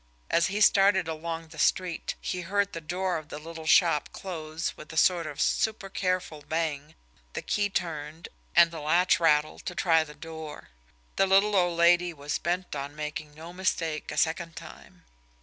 As he started along the street, he heard the door of the little shop close with a sort of supercareful bang, the key turned, and the latch rattle to try the door the little old lady was bent on making no mistake a second time!